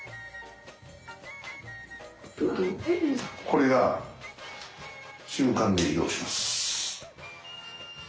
これが瞬間で移動します。